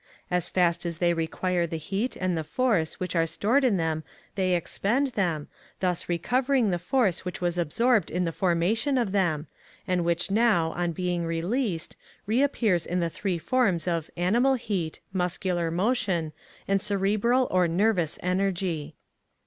As fast as they require the heat and the force which are stored in them they expend, them, thus recovering the force which was absorbed in the formation of them, and which now, on being released, re appears in the three forms of animal heat, muscular motion, and cerebral or nervous energy.